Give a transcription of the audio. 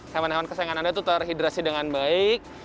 hewan hewan kesayangan anda itu terhidrasi dengan baik